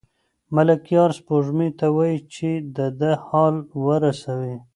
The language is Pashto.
ملکیار سپوږمۍ ته وايي چې د ده حال ورسوي.